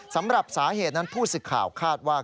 สำหรับสาเหตุนั้นผู้สึกข่าวคาดว่า